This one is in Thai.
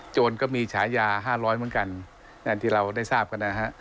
โจรก็มีฉายาห้าร้อยเหมือนกันนั่นที่เราได้ทราบกันนะฮะ